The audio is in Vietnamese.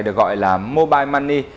được gọi là mobile money